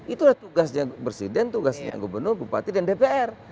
itulah tugasnya presiden tugasnya gubernur bupati dan dpr